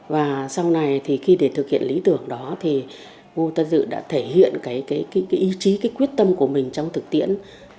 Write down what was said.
và sau này khi để thực hiện lý tưởng đó ngô tân dự đã thể hiện ý chí quyết tâm của mình trong thực tiễn